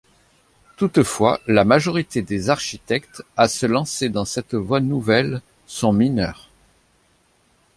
Toutefois, la majorité des architectes à se lancer dans cette voie nouvelle sont mineurs.